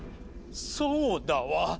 そうだわ。